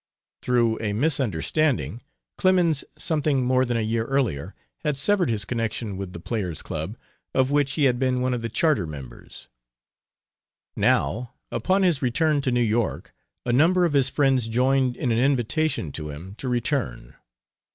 Through a misunderstanding, Clemens, something more than a year earlier, had severed his connection with the Players' Club, of which he had been one of the charter members. Now, upon his return to New York, a number of his friends joined in an invitation to him to return.